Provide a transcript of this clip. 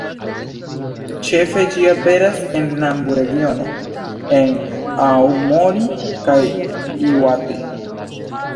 Ĉefe ĝi aperas en Nambu-regiono en Aomori, kaj Iŭate.